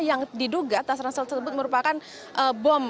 yang diduga tas ransel tersebut merupakan bom